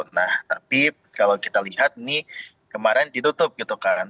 nah tapi kalau kita lihat nih kemarin ditutup gitu kan